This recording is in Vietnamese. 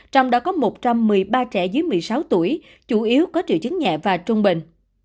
trong đó có một trăm một mươi ba trẻ dưới một mươi sáu tuổi chủ yếu có triệu chứng nhẹ và trung bình